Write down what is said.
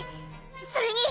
それに！